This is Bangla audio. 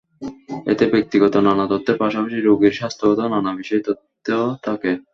এতে ব্যক্তিগত নানা তথ্যের পাশাপাশি রোগীর স্বাস্থ্যগত নানা বিষয়ের তথ্য থাকে।